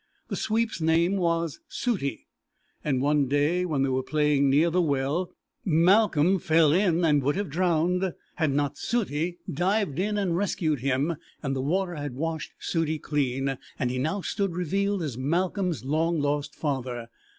The sweep's name was Sooty, and one day when they were playing near the well, Malcolm fell in and would have been drowned had not Sooty dived in and rescued him, and the water had washed Sooty clean and he now stood revealed as Malcolm's long lost father.